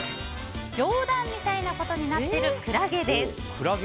冗談みたいなことになっているクラゲです。